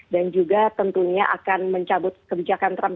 dan juga tentunya akan mencabut kebijakan trump